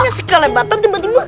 tidak lebatan tiba tiba